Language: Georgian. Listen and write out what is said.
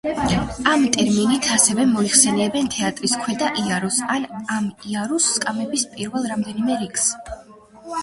ამ ტერმინით ასევე მოიხსენიებენ თეატრის ქვედა იარუსს, ან ამ იარუსის სკამების პირველ რამდენიმე რიგს.